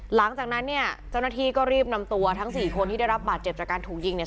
หลังจากนั้นเนี่ยเจ้าหน้าที่ก็รีบนำตัวทั้งสี่คนที่ได้รับบาดเจ็บจากการถูกยิงเนี่ย